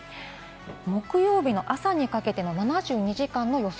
木曜日の朝にかけての７２時間の予想